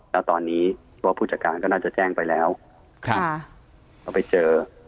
แล้วตอนนี้ตัวผู้จัดการก็น่าจะแจ้งไปแล้วก็ไปเจอ